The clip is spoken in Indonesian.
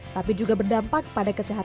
tapi juga berdampak untuk membuat anda lebih baik